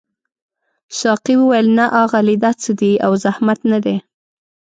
ساقي وویل نه اغلې دا څه دي او زحمت نه دی.